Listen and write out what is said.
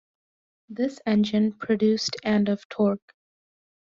This engine produced and of torque.